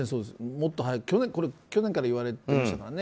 もっと早く去年から言われてましたからね。